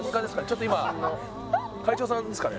ちょっと今会長さんですかね？